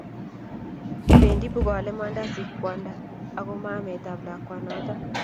bendi bukoale mandasik kwanda ago mamaetab lakwanata